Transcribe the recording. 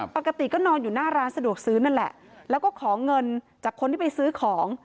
ปกติก็นอนอยู่หน้าร้านสะดวกซื้อนั่นแหละแล้วก็ขอเงินจากคนที่ไปซื้อของ